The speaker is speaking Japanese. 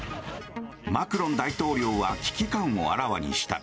マクロン大統領は危機感をあらわにした。